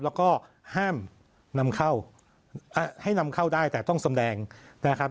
แล้วก็ห้ามนำเข้าให้นำเข้าได้แต่ต้องแสดงนะครับ